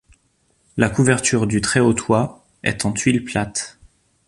La couverture du très haut toit est en tuiles plates.